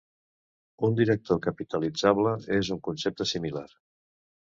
Un director capitalitzable és un concepte similar.